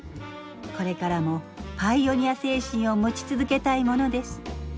これからもパイオニア精神を持ち続けたいものです。